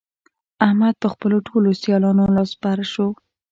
احمد پر خپلو ټولو سيالانو لاس بر شو.